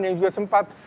yang juga sempat